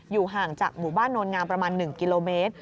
ห่างจากหมู่บ้านโนลงามประมาณ๑กิโลเมตร